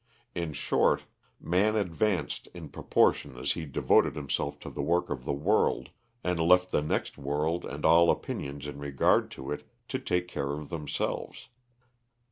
In short, man advanced in proportion as he devoted himself to the work of the world, and left the next world and all opinions in regard to it to take care of themselves.